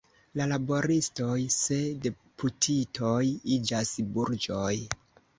La laboristoj se deputitoj iĝas burĝoj.